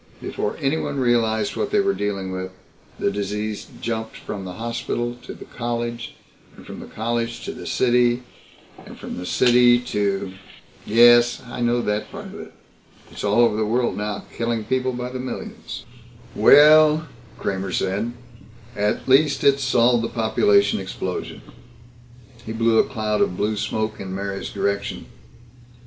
Before anyone realized what they were dealing with, the disease jumped from the hospital to the college, and from the college to the city, and from the city to " "Yes, I know that part of it. It's all over the world now killing people by the millions." "Well," Kramer said, "at least it's solved the population explosion." He blew a cloud of blue smoke in Mary's direction.